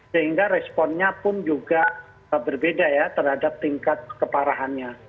sehingga responnya pun juga berbeda ya terhadap tingkat keparahannya